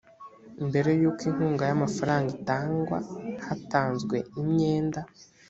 mbere y uko inkunga y amafaranga itangwa hatanzwe imyenda